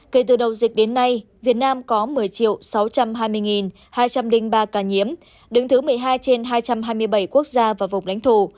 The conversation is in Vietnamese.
kể từ đầu dịch đến nay việt nam có một mươi sáu trăm hai mươi hai trăm linh ba ca nhiễm đứng thứ một mươi hai trên hai trăm hai mươi bảy quốc gia và vùng lãnh thổ